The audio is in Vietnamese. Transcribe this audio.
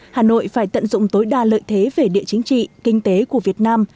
hà nội phải tận dụng tối đa lợi thế về địa chính trị kinh tế của việt nam